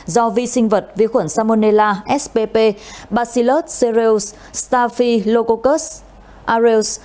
do vi sinh vật vi khuẩn salmonella spp bacillus cereus staphylococcus aureus